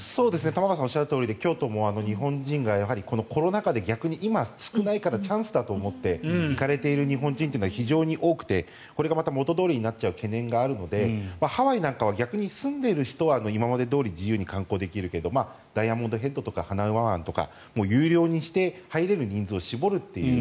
玉川さんがおっしゃるとおりで京都も、日本人がこのコロナ禍で、逆に今少ないからチャンスだと思って行かれている日本人が非常に多くてこれがまた元どおりになってしまう懸念があるのでハワイなんかは逆に住んでいる人は今までどおり観光できるけどダイヤモンドヘッドとか有料にして入れる人数を絞るという。